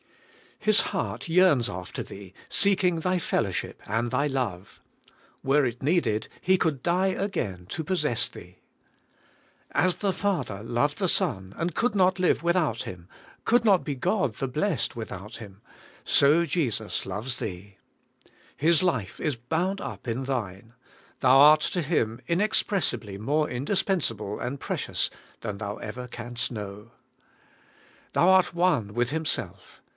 His heart yearns after thee, seeking thy fellowship and thy love. Were it needed. He could die again to possess thee. ^'' 166 ABIDE IN CHRIST: As the Father loved the Son, and could not live with out Him, could not be God the blessed without Him, — so Jesus loves thee. His life is bound up in thine; thou art to Him inexpressibly more indispensable and precious than thou ever canst know. Thou art one with Himself.